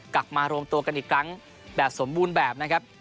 กลับมารวมตัวกันอีกครั้งแบบสมบูรณ์แบบนะครับ